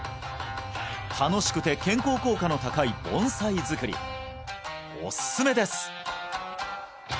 楽しくて健康効果の高い盆栽作りおすすめです！